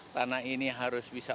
tanah ini harus bisa